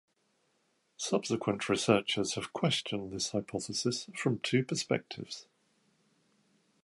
Subsequent researchers have questioned this hypothesis from two perspectives.